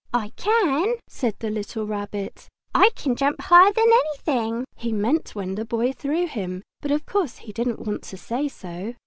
"I can!" said the little Rabbit. "I can jump higher than anything!" He meant when the Boy threw him, but of course he didn't want to say so.